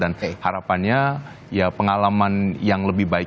dan harapannya ya pengalaman yang lebih baik